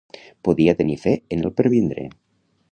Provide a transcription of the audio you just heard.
Podia tenir fe en el pervindre